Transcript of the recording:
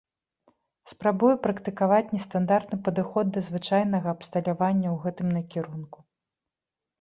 Спрабую практыкаваць нестандартны падыход да звычайнага абсталявання ў гэтым накірунку.